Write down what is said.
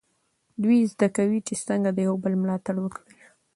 دوی زده کوي چې څنګه د یو بل ملاتړ وکړي.